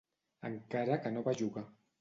Encara que no va jugar.